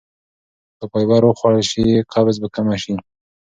که فایبر وخوړل شي قبض به کمه شي.